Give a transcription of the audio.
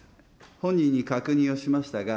本人に確認をしましたが、